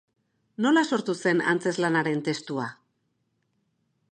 Nola sortu zen antzezlanaren testua?